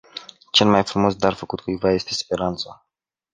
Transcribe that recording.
Cel mai frumos dar făcut cuiva este speranța.